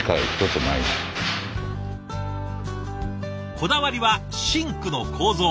こだわりはシンクの構造。